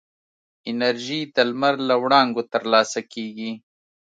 انرژي د لمر له وړانګو ترلاسه کېږي.